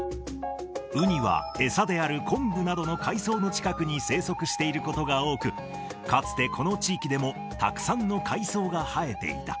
ウニは餌である昆布などの海藻の近くに生息していることが多く、かつてこの地域でもたくさんの海藻が生えていた。